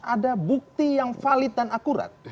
ada bukti yang valid dan akurat